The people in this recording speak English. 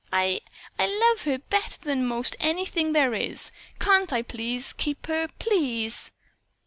I I love her better than 'most anything there is. Can't I please keep her? Please!"